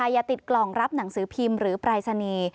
อย่าติดกล่องรับหนังสือพิมพ์หรือปรายศนีย์